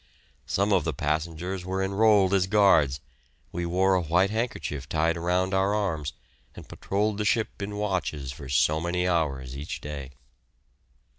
Some of the passengers were enrolled as guards; we wore a white handkerchief tied round our arms, and patrolled the ship in watches for so many hours each day.